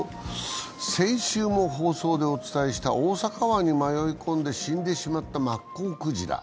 先週も放送でお伝えした大阪湾に迷い込んで死んでしまったマッコウクジラ。